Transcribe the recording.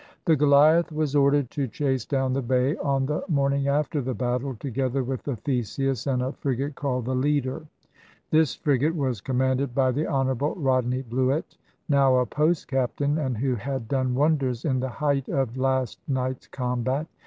The Goliath was ordered to chase down the bay, on the morning after the battle, together with the Theseus and a frigate called the Leader. This frigate was commanded by the Honourable Rodney Bluett, now a post captain, and who had done wonders in the height of last night's combat.